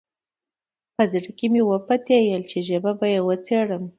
په زړه کې مې وپتېیله چې ژبه به یې وڅېړم.